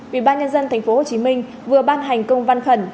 ủy ban nhân dân tp hcm vừa ban hành công văn khẩn